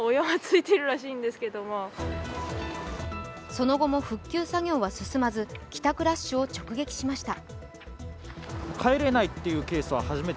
その後も復旧作業は終わらず、帰宅ラッシュを直撃しました。